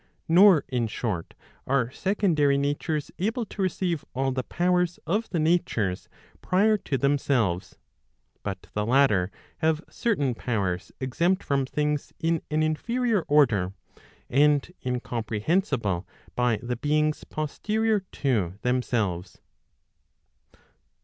Nor in short, are secondary natures able to receive all the powers of the natures prior to themselves, but the latter have certain powers exempt from things in an inferior order, and incomprehensible by the beings posterior to themselves.